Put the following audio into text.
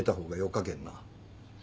かけんな。